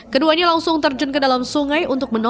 keduanya langsung terjun ke dalam sungai